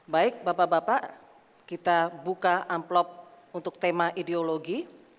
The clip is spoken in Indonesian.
baik bapak bapak kita buka amplop untuk tema ideologi